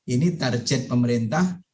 ini target pemerintah